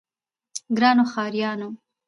ګرانو ښاريانو!